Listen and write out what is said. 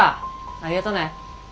ありがとね。